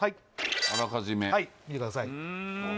あらかじめはい見てください